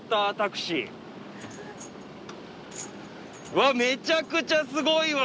うわっめちゃくちゃすごいわ！